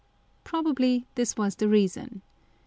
Probably this was the reason.